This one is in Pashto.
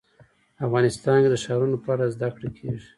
افغانستان کې د ښارونو په اړه زده کړه کېږي.